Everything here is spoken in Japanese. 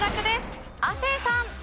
亜生さん。